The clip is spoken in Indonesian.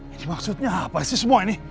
ini maksudnya apa sih semua ini